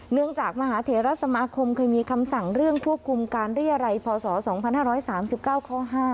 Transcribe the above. เนื่องจากมหาเทราสมาคมเคยมีคำสั่งเรื่องควบคุมการเรียรัยพศ๒๕๓๙ข้อ๕